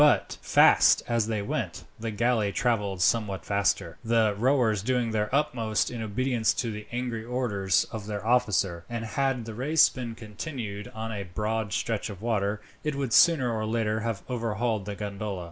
But, fast as they went, the galley travelled somewhat faster, the rowers doing their utmost in obedience to the angry orders of their officer; and had the race been continued on a broad stretch of water, it would sooner or later have overhauled the gondola.